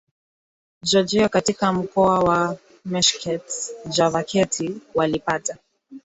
mwa Georgia katika mkoa wa Meskhet Javakheti walipata